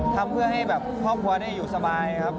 ทำเพื่อให้แบบครอบครัวได้อยู่สบายครับ